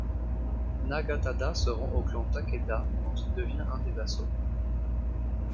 Nagatada se rend au clan Takeda dont il devient un des vassaux.